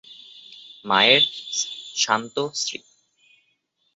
মায়ের শান্ত শ্রী।